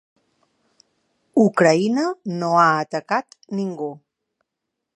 Ucraïna no ha atacat ningú.